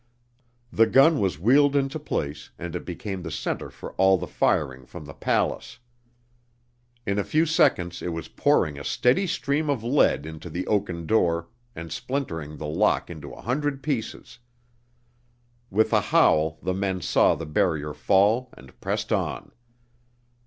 The gun was wheeled into place and it became the center for all the firing from the palace. In a few seconds it was pouring a steady stream of lead into the oaken door and splintering the lock into a hundred pieces. With a howl the men saw the barrier fall and pressed on.